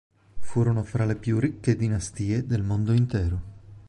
Furono fra le più ricche dinastie del mondo intero.